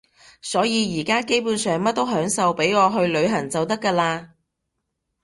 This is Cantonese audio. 所以而家基本上乜都享受，畀我去旅行就得㗎喇